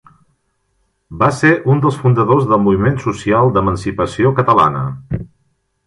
Va ser un dels fundadors del Moviment Social d'Emancipació Catalana.